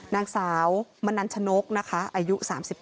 นางสาวมนัญญาชะโน๊คอายุ๓๘